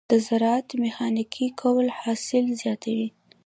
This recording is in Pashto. د زراعت ميخانیکي کول حاصل زیاتوي.